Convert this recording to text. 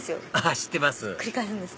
知ってます